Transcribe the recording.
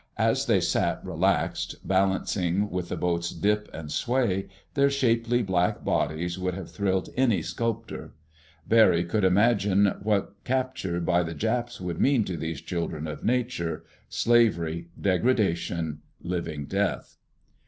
As they sat relaxed, balancing with the boat's dip and sway, their shapely black bodies would have thrilled any sculptor. Barry could imagine what capture by the Japs would mean to these children of nature—slavery, degradation, living death!